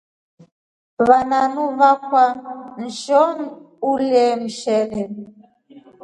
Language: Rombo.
Wananu akwaa nshoo ulye mshele.